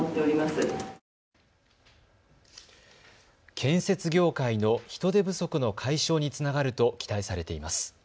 建設業界の人手不足の解消につながると期待されています。